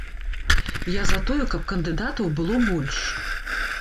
Я за тое, каб кандыдатаў было больш.